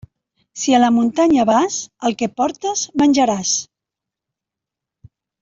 Si a la muntanya vas, el que portes menjaràs.